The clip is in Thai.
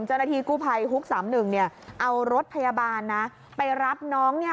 จนทีกู้ภัยฮุก๓๑เอารถพยาบาลไปรับน้อง